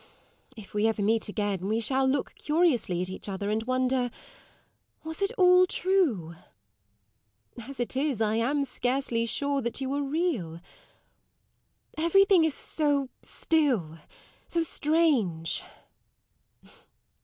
If we ever meet again, we shall look curiously at each other, and wonder, was it all true? As it is, I am scarcely sure that you are real. Everything is so still, so strange.